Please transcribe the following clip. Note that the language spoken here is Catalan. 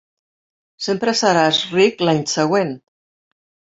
Sempre seràs ric l'any següent.